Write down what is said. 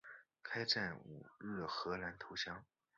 开战五日荷兰投降。